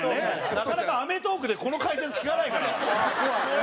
なかなか『アメトーーク』でこの解説、聞かないから。